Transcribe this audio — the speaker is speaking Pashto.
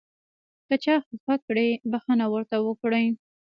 که چا خفه کړئ بښنه ورته وکړئ .